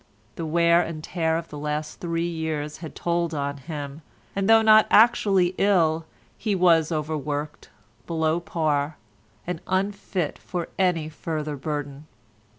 The wear and tear of the last three years had told on him, and though not actually ill he was overworked, below par, and unfit for any further burden.